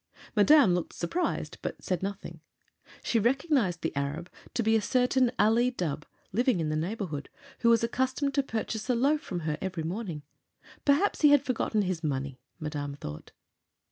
Madame looked surprised, but said nothing. She recognized the Arab to be a certain Ali Dubh, living in the neighborhood, who was accustomed to purchase a loaf from her every morning. Perhaps he had forgotten his money, Madame thought.